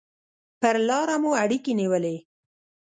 پر لاره مو اړیکې نیولې.